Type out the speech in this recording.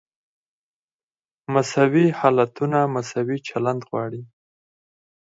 مساوي حالتونه مساوي چلند غواړي.